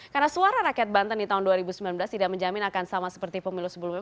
karena suara rakyat banten di tahun dua ribu sembilan belas tidak menjamin akan sama seperti pemilu sebelumnya